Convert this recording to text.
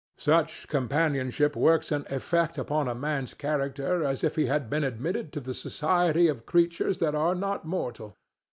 Such companionship works an effect upon a man's character as if he had been admitted to the society of creatures that are not mortal.